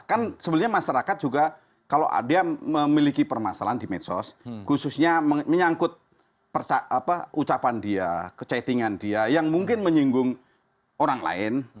kan sebenarnya masyarakat juga kalau dia memiliki permasalahan di medsos khususnya menyangkut ucapan dia kecaitingan dia yang mungkin menyinggung orang lain